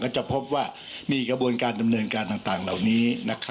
จะพบว่ามีกระบวนการดำเนินการต่างเหล่านี้